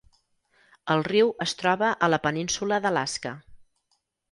El riu es troba a la península d'Alaska.